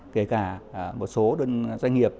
kể cả một số doanh nghiệp